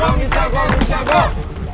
oke semangat terus semangat